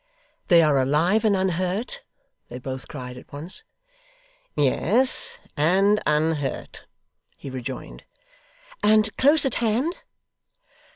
'They are alive and unhurt?' they both cried at once. 'Yes, and unhurt,' he rejoined. 'And close at hand?